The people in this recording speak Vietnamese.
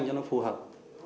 cho nó phù hợp